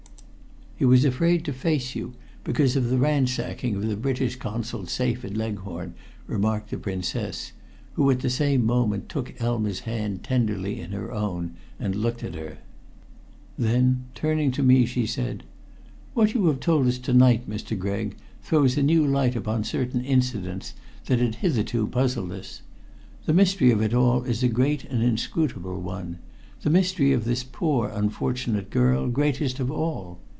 "He was afraid to face you because of the ransacking of the British Consul's safe at Leghorn," remarked the Princess, who, at the same moment, took Elma's hand tenderly in her own and looked at her. Then, turning to me, she said: "What you have told us to night, Mr. Gregg, throws a new light upon certain incidents that had hitherto puzzled us. The mystery of it all is a great and inscrutable one the mystery of this poor unfortunate girl, greatest of all.